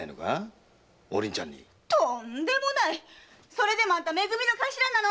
それでもめ組の頭なの？